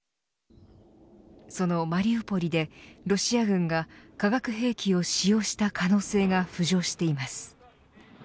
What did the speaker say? そのマリウポリでロシア軍が化学兵器を使用した可能性が浮上しています。